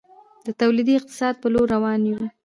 د تولیدي اقتصاد په لور روان یو؟